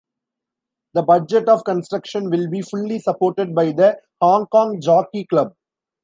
The budget of construction will be fully supported by the Hong Kong Jockey Club.